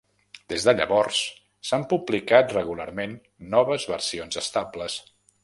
Des de llavors, s'han publicat regularment noves versions estables.